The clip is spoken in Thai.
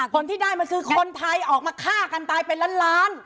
ผลที่ได้มันคือคนไทยออกมาฆ่ากันตายเป็นล้านล้าน